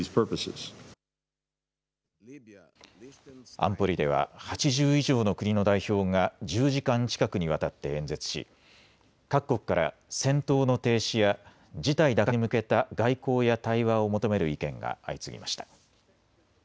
安保理では８０以上の国の代表が１０時間近くにわたって演説し各国から戦闘の停止や事態打開に向けた外交や対話を求める意見が相次ぎました。